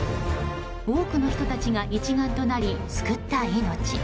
多くの人たちが一丸となり救った命。